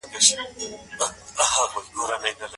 نوي روبوټونه د مصنوعي ځیرکتیا په واسطه د خلکو څېرې په نښه کوي.